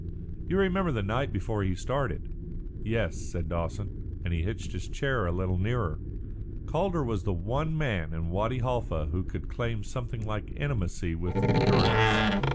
You remember the night before he started?" "Yes," said Dawson, and he hitched his chair a little nearer. Calder was the one man in Wadi Halfa who could claim something like intimacy with Durrance.